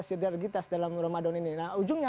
sinergitas dalam romadhon ini nah ujungnya